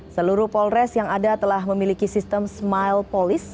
seluruh polres yang ada telah memiliki sistem smile police